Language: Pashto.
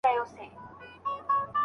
تر واده مخکي پوښتنې کول عیب نه دی.